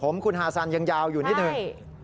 ผมคุณฮาซันยังยาวอยู่นิดหนึ่ง